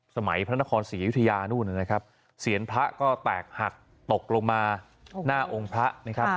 พระนครศรีอยุธยานู่นนะครับเสียงพระก็แตกหักตกลงมาหน้าองค์พระนะครับ